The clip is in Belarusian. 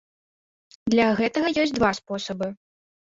Для гэтага ёсць два спосабы.